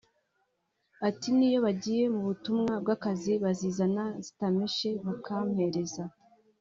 Ati “Niyo bagiye mu butumwa bw’akazi bazizana zitameshe bakampereza